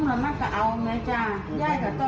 มีกันเยอะมาก